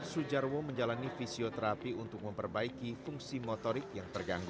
sujarwo menjalani fisioterapi untuk memperbaiki fungsi motorik yang terganggu